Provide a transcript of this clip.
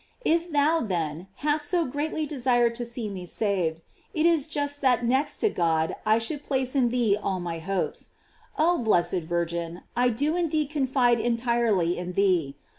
If thou, then, hast so greatly desired to see me saved, it is just that next to God I should place in thee all my hopes. Oh, blessed Virgin, I do indeed confide entirely in thee.